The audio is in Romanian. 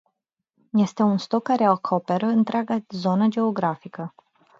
Este un stoc care acoperă întreaga zonă geografică.